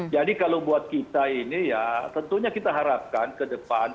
jadi kalau buat kita ini ya tentunya kita harapkan ke depan